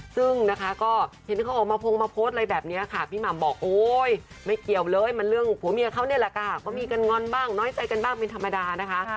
ซึ่งนะคะก็เห็นเขาออกมาพงมาโพสต์อะไรแบบนี้ค่ะพี่หม่ำบอกโอ๊ยไม่เกี่ยวเลยมันเรื่องผัวเมียเขานี่แหละค่ะก็มีกันงอนบ้างน้อยใจกันบ้างเป็นธรรมดานะคะ